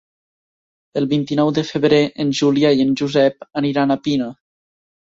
El vint-i-nou de febrer en Julià i en Josep aniran a Pina.